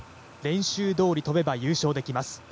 練習どおり飛べば優勝できます